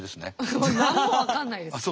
何も分かんないです。